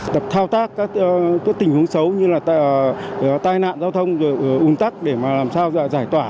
tập thao tác các tình huống xấu như là tai nạn giao thông ung tắc để làm sao giải tỏa